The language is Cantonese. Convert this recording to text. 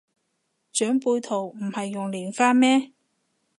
長輩圖唔係用蓮花咩